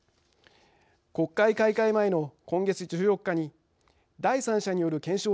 国会開会前の今月１４日に第３者による検証委員会が